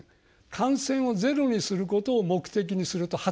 感染をゼロにすることを目的にすると破綻します